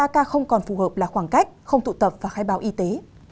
ba ca không còn phù hợp là khoảng cách không tụ tập và khai báo y tế